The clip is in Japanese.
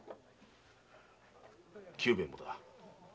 久兵衛もだ。